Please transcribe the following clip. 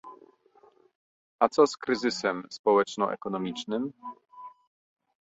A co z kryzysem społeczno-ekonomicznym?